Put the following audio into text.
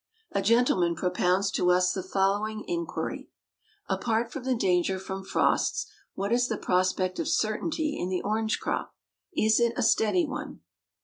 A gentleman propounds to us the following inquiry: "Apart from the danger from frosts, what is the prospect of certainty in the orange crop? Is it a steady one?"